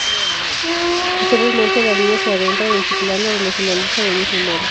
Posteriormente la línea se adentra en Chiclana, donde finaliza, del mismo modo.